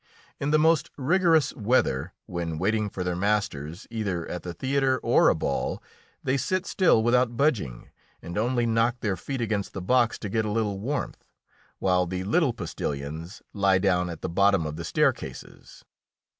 In the most rigorous weather, when waiting for their masters either at the theatre or a ball, they sit still without budging, and only knock their feet against the box to get a little warmth, while the little postilions lie down at the bottom of the staircases.